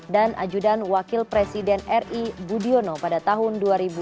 dan ajudan wakil presiden ri budiono pada tahun dua ribu dua belas